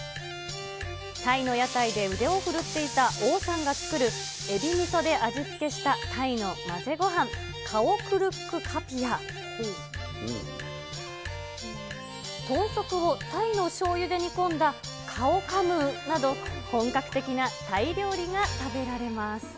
タイの屋台で腕を奮っていたオーさんが作る、エビみそで味付けしたタイの混ぜごはん、カオクルックカピや、豚足をタイのしょうゆで煮込んだカオカムーなど、本格的なタイ料理が食べられます。